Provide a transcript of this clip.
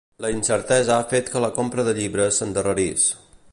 La incertesa ha fet que la compra de llibres s'endarrerís.